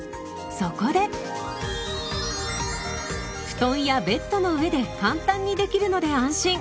布団やベッドの上で簡単にできるので安心。